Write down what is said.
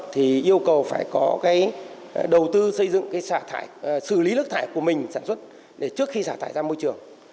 thì yêu cầu phải có đầu tư xây dựng xử lý lứt thải của mình sản xuất trước khi xả thải ra môi trường